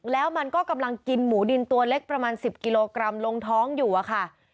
แล้วมันก็กำลังกินหมูดินตัวเล็กประมาณ๑๐กิโลกรัมลงท้องอยู่อะค่ะ